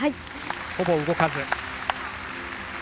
ほぼ動かず。